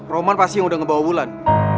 roman pasti yang udah ngebawa ulan